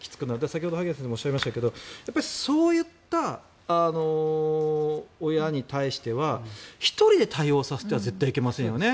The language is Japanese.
先ほど萩谷さんもおっしゃいましたけどそういった親に対しては１人で対応させては絶対いけませんよね。